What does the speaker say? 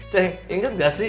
cek inget enggak sih